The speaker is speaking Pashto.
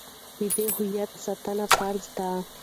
د دې هویت ساتنه فرض ده.